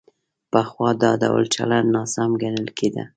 پخوا دا ډول چلند ناسم ګڼل کېده.